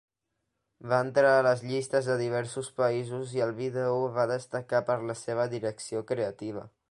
Va entrar a les llistes de diversos països i el vídeo va destacar per la seva direcció creativa.